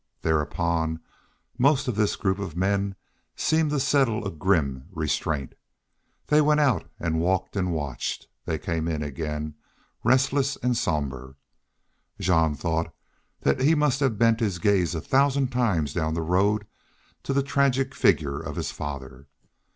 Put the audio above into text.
Then upon most of this group of men seemed to settle a grim restraint. They went out and walked and watched; they came in again, restless and somber. Jean thought that he must have bent his gaze a thousand times down the road to the tragic figure of his father.